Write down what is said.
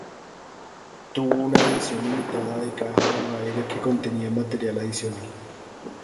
Tuvo una edición limitada de caja de madera que contenía material adicional.